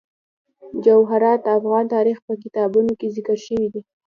جواهرات د افغان تاریخ په کتابونو کې ذکر شوی دي.